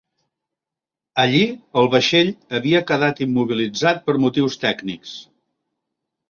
Allí el vaixell havia quedat immobilitzat per motius tècnics.